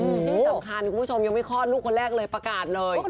คุณผู้ชมยังไม่คลอดลูกคนแรกเลยประกาศเลย